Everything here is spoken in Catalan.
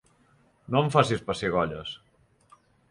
No em facis pessigolles!